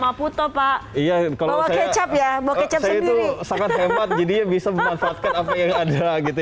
maputo pak iya kalau kecap ya buat kecap itu sangat hebat jadinya bisa memanfaatkan apa yang ada gitu